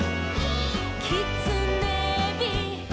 「きつねび」「」